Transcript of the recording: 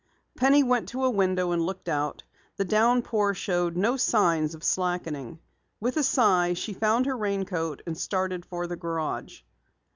Penny went to a window and looked out. The downpour showed no sighs of slackening. With a sigh she found her raincoat and started for the garage.